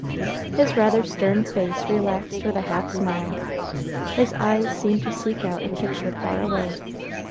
His rather stern face relaxed with a half smile; his eyes seemed to seek out a picture far away.